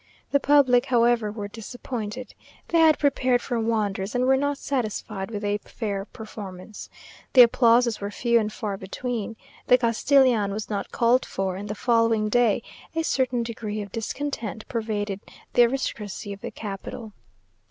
The public, however, were disappointed. They had prepared for wonders, and were not satisfied with a fair performance. The applauses were few and far between. The Castellan was not called for, and the following day a certain degree of discontent pervaded the aristocracy of the capital.